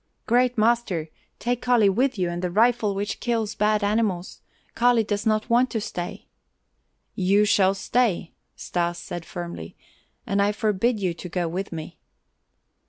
"Great master, take Kali with you and the rifle which kills bad animals. Kali does not want to stay." "You shall stay!" Stas said firmly. "And I forbid you to go with me."